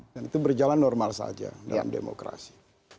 itu berjalan normal saja dalam demokrasi